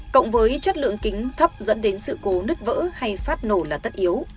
cộng với chất lượng kính thấp dẫn đến sự cố nứt vỡ hay phát nổ là tất yếu